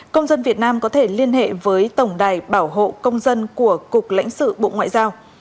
công dân việt nam có thể liên hệ với tổng đài bảo hộ công dân của cục lãnh sự bộ ngoại giao